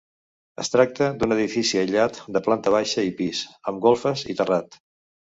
Es tracta d'un edifici aïllat de planta baixa i pis, amb golfes i terrat.